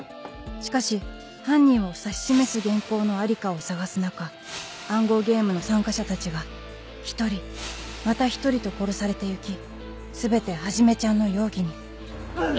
しかし犯人を指し示す原稿の在りかを捜す中暗号ゲームの参加者たちが１人また１人と殺されて行き全てはじめちゃんの容疑にうっ！